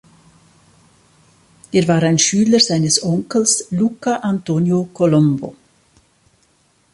Er war ein Schüler seines Onkels, Luca Antonio Colombo.